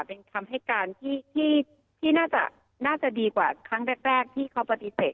เป็นคำให้การที่ที่น่าจะน่าจะดีกว่าครั้งแรกแรกที่เขาบริษัท